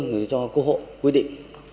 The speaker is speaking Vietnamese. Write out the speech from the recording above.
thì do cô hộ quy định